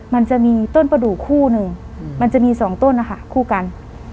มันจะมีต้นประดูกคู่หนึ่งมันจะมีสองต้นนะคะคู่กัน